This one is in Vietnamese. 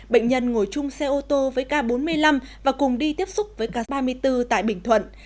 bệnh nhân ngồi chung xe ô tô với k bốn mươi năm và cùng đi tiếp xúc với k ba mươi bốn tại bình thuận